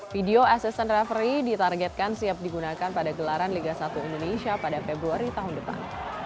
video assistant referee ditargetkan siap digunakan pada gelaran liga satu indonesia pada februari tahun depan